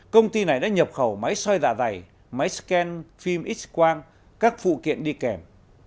công ty này đã nhập khẩu máy soi dạ dày máy scan phim x quang các phụ kiện đi kèm